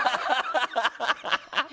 ハハハハ！